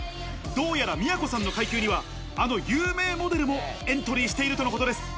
どうやら都さんの階級にはあの有名モデルもエントリーしているとのことです。